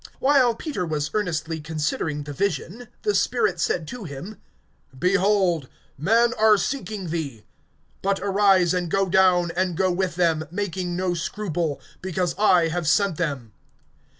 (19)While Peter was earnestly considering the vision, the Spirit said to him: Behold, men are seeking thee. (20)But arise, and go down, and go with them, making no scruple; because I have sent them.